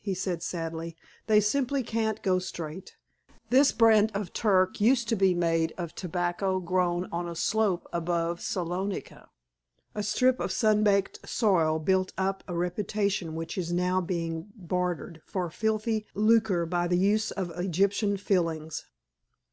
he said sadly. "They simply can't go straight. This brand of Turk used to be made of a tobacco grown on a slope above Salonica. A strip of sun baked soil built up a reputation which is now being bartered for filthy lucre by the use of Egyptian 'fillings.